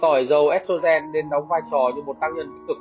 tỏi đối với phụ nữ thì tỏi dầu estrogen nên đóng vai trò như một tăng nhân tích cực